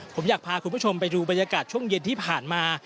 ผมอยากพาคุณผู้ชมไปดูบรรยากาศช่วงเย็นที่ผ่านมา